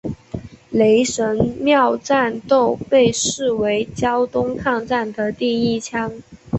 雷神庙战斗被视为胶东抗战的第一枪。